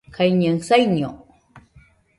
kaiñaɨ saiño